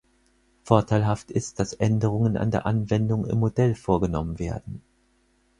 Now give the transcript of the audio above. Vorteilhaft ist, dass Änderungen an der Anwendung im Modell vorgenommen werden.